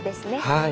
はい。